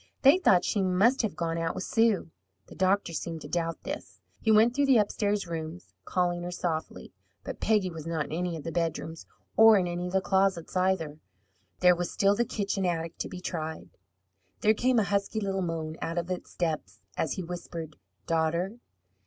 They thought she must have gone out with Sue. The doctor seemed to doubt this. He went through the upstairs rooms, calling her softly. But Peggy was not in any of the bedrooms, or in any of the closets, either. There was still the kitchen attic to be tried. There came a husky little moan out of its depths, as he whispered, "Daughter!"